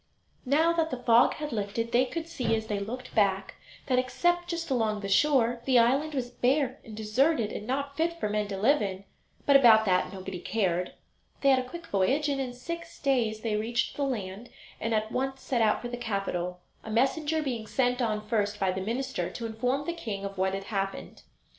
Now that the fog had lifted they could see as they looked back that, except just along the shore, the island was bare and deserted and not fit for men to live in; but about that nobody cared. They had a quick voyage, and in six days they reached the land, and at once set out for the capital, a messenger being sent on first by the minister to inform the king of what had happened.